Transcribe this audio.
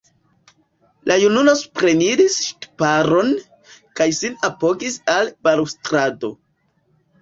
La junulo supreniris ŝtuparon, kaj sin apogis al balustrado.